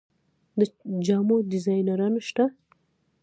د جامو ډیزاینران شته؟